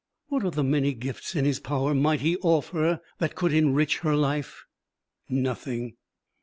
What of the many gifts in his power might he offer that could enrich her life? Nothing!